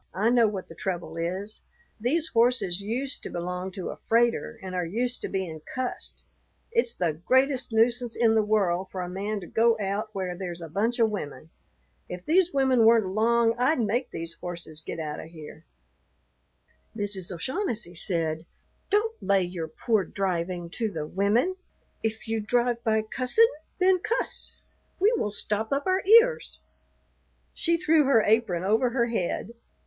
I know what the trouble is: these horses used to belong to a freighter and are used to being cussed. It's the greatest nuisance in the world for a man to go out where there's a bunch of women. If these women weren't along I'd make these horses get out of there." Mrs. O'Shaughnessy said, "Don't lay your poor driving to the women. If you drive by cussin', then cuss. We will stop up our ears." She threw her apron over her head.